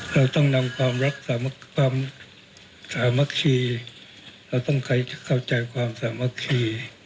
เราต้องนำความรักความสามัคคีเราต้องเข้าใจความสามัคคี